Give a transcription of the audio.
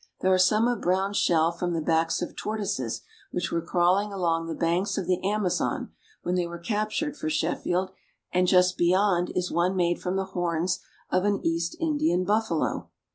There are some of brown shell from the backs of tortoises which were crawling along the banks of the Amazon when they were captured for Shef field, and just beyond is one made from the horns of an East Indian buffalo.